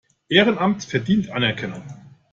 Ehrenamt verdient Anerkennung.